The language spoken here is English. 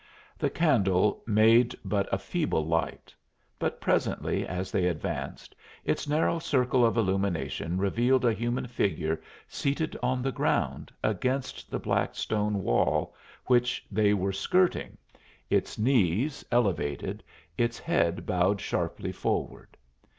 The candle made but a feeble light, but presently, as they advanced, its narrow circle of illumination revealed a human figure seated on the ground against the black stone wall which they were skirting, its knees elevated, its head bowed sharply forward.